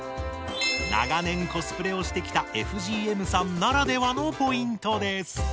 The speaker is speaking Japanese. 長年コスプレをしてきたＦＧＭさんならではのポイントです